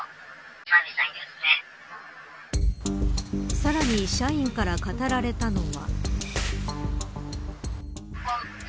さらに社員から語られたのは。